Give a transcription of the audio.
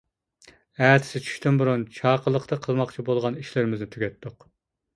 ئەتىسى چۈشتىن بۇرۇن چاقىلىقتا قىلماقچى بولغان ئىشلىرىمىزنى تۈگەتتۇق.